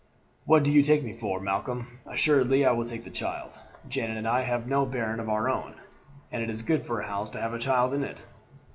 "What do you take me for, Malcolm? Assuredly I will take the child. Janet and I have no bairn of our own, and it's good for a house to have a child in it.